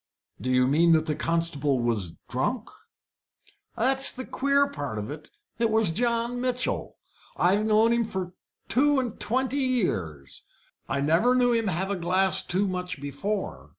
"Do you mean that the constable was drunk?" "That's the queer part of it. It was John Mitchell. I've known him for two and twenty years. I never knew him have a glass too much before.